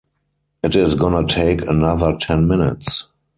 It is gonna take another ten minutes